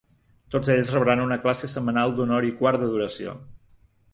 Tots ells rebran una classe setmanal d’una hora i quart de duració.